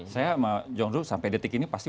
saya sama john roo sampai detik ini pasti